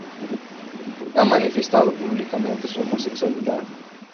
Ha manifestado públicamente su homosexualidad.